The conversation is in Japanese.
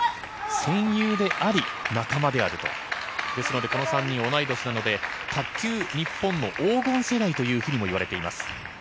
戦友であり仲間であるこの３人は同い年なので、卓球日本の黄金世代というふうに言われています。